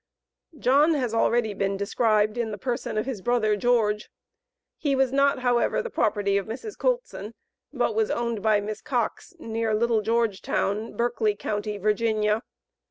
John has been already described in the person of his brother George. He was not, however, the property of Mrs. Coultson, but was owned by Miss Cox, near Little Georgetown, Berkeley Co., Va.